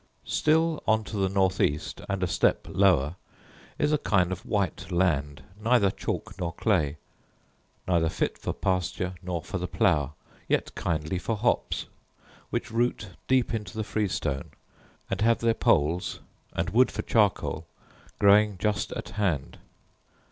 Still on to the north east, and a step lower, is a kind of white land, neither chalk nor clay, neither fit for pasture nor for the plough, yet kindly for hops, which root deep into the freestone, and have their poles and wood for charcoal growing just at hand.